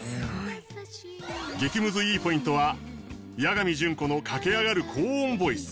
激ムズいいポイントは八神純子の駆け上がる高音ボイス。